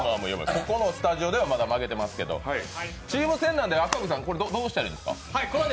ここのスタジオではまだ負けてますけどチーム戦なのでこれはどうしたらいいですか？